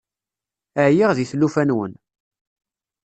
Ɛyiɣ di tlufa-nwen.